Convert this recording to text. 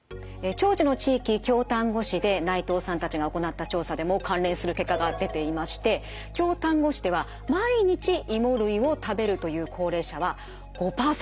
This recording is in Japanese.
長寿の地域京丹後市で内藤さんたちが行った調査でも関連する結果が出ていまして京丹後市では毎日いも類を食べるという高齢者は５％。